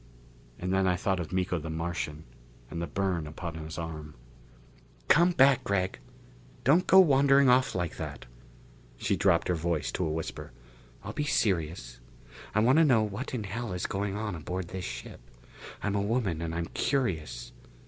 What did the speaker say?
And then I thought of Miko the Martian, and the burn upon his arm. "Come back, Gregg! Don't go wandering off like that!" She dropped her voice to a whisper. "I'll be serious. I want to know what in hell is going on aboard this ship. I'm a woman and I'm curious.